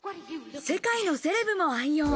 世界のセレブも愛用。